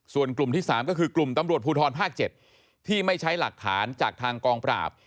ส่วนกลุ่มที่๓ก็คือกลุ่มตำรวจภูทรภาค๗ที่ไม่ใช้หลักฐานจากทางกองปราบ